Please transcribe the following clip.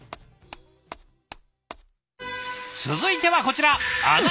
続いてはこちら。